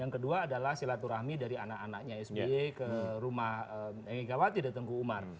yang kedua adalah silaturahmi dari anak anaknya sby ke rumah megawati datang ke umar